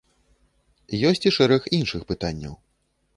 Ёсць і шэраг іншых пытанняў.